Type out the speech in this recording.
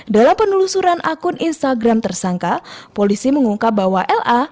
dalam penelusuran akun instagram tersangka polisi mengungkap bahwa la